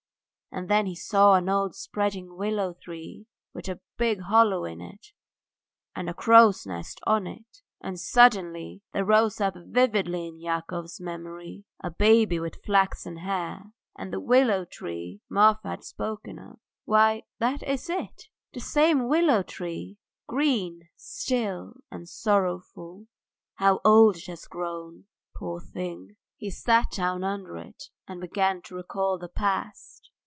And then he saw an old spreading willow tree with a big hollow in it, and a crow's nest on it. ... And suddenly there rose up vividly in Yakov's memory a baby with flaxen hair, and the willow tree Marfa had spoken of. Why, that is it, the same willow tree green, still, and sorrowful. ... How old it has grown, poor thing! He sat down under it and began to recall the past.